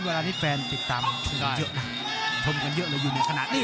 โอ้โหอันนี้แฟนติดตามชมเยอะนะชมกันเยอะแล้วอยู่ในขณะนี้